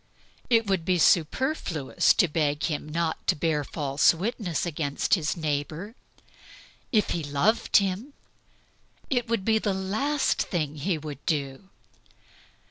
It would be superfluous to beg him not to bear false witness against his neighbor. If he loved him it would be the last thing he would do.